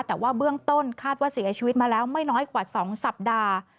แต่ว่าเบื้องต้นคาดว่าเสียชีวิตมาแล้วไม่น้อยกว่า๒สัปดาห์